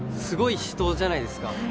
すごい人じゃないですか。